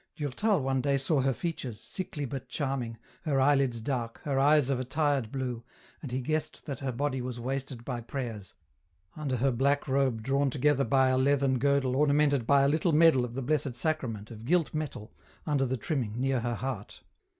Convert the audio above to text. Durtal one day saw her features, sickly but charming, her eyelids dark, her eyes of a tired blue, and he guessed that her body was wasted by prayers, under her black robe drawn together by a leathern girdle ornamented by a little medal of the Blessed Sacrament of gilt metal, under the trimming, near her heart.